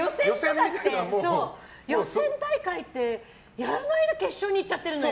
予選大会ってやらないで決勝に行っちゃってるのよ。